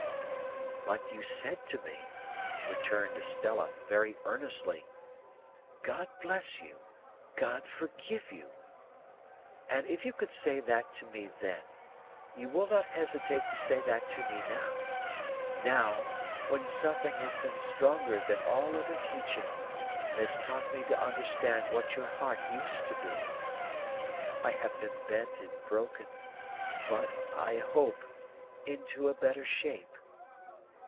"But you said to me," returned Estella, very earnestly, "'God bless you, God forgive you!' And if you could say that to me then, you will not hesitate to say that to me now,—now, when suffering has been stronger than all other teaching, and has taught me to understand what your heart used to be. I have been bent and broken, but—I hope—into a better shape.